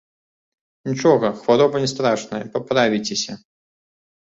Нічога, хвароба не страшная, паправіцеся.